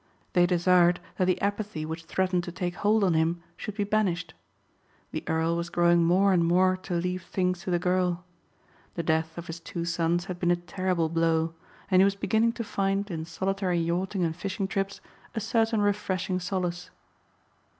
They desired that the apathy which threatened to take hold on him should be banished. The Earl was growing more and more to leave things to the girl. The death of his two sons had been a terrible blow and he was beginning to find in solitary yachting and fishing trips a certain refreshing solace.